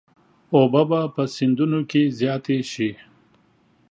اوبه به په سیندونو کې زیاتې شي.